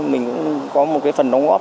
mình cũng có một cái phần đóng góp